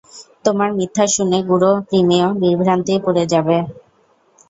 তোমার মিথ্যা শুনে গুড়ো কৃমিও বিভ্রান্তি পড়ে যাবে।